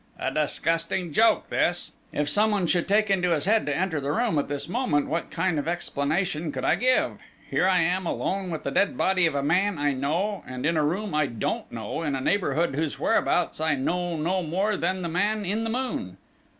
"A disgusting joke this! If someone should take into his head to enter the room at this moment, what kind of explanation could I give? Here I am, alone with the dead body of a man I know, and in a room I don't know, in a neighbourhood whose whereabouts I know no more than the man in the moon."